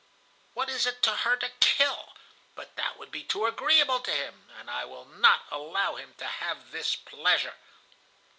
What is it to her to kill? But that would be too agreeable to him, and I will not allow him to have this pleasure.